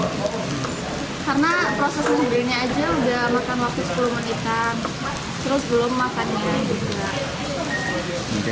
karena proses membelinya aja udah makan waktu sepuluh menitan terus belum makannya